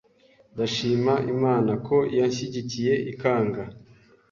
Ndashima Imana ko yanshyigikiye ikanga